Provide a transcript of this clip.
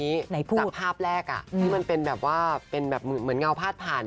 จากภาพแรกที่มันเหมือนเหงาพลาดผ่าน